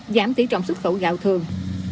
giảm tỷ trọng xuất khẩu gạo thường